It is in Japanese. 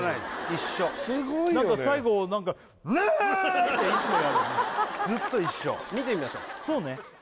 一緒すごいよね何か最後「うーん」っていつもやるずっと一緒見てみましょうそうね